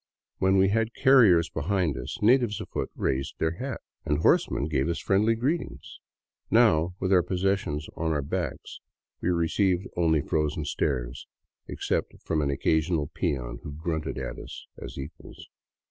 When we had carriers behind us, natives afoot raised their hats and horsemen gave us friendly greetings. Now, with our pos sessions on our own backs, we received only frozen stares, except from an occasional peon who grunted at us as equals.